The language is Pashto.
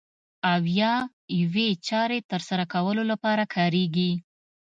او یا یوې چارې ترسره کولو لپاره کاریږي.